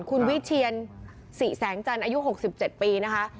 คุณวิเชียนสิแสงจันทร์อายุ๖๗ปีนะคะ